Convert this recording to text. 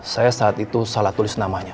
saya saat itu salah tulis namanya